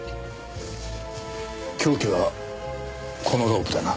凶器はこのロープだな？